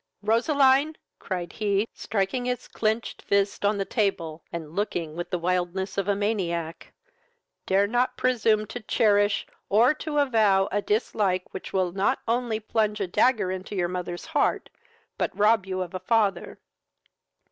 "Roseline, (cried he, striking his clenched fist on the table, and looking with the wildness of a maniac,) dare not presume to cherish, or to avow, a dislike which will not only plunge a dagger into your mother's heart, but rob you of a father.